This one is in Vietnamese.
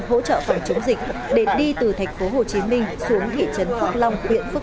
hỗ trợ phòng chống dịch để đi từ thành phố hồ chí minh xuống thị trấn phước long